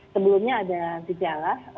sebelumnya ada gejala